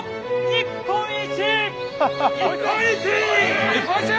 日本一！